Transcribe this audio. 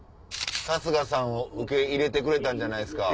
春日さんを受け入れてくれたんじゃないですか？